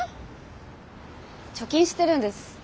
貯金してるんです。